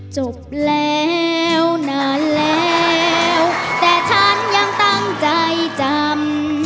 จบแล้วนานแล้วแต่ฉันยังตั้งใจจำ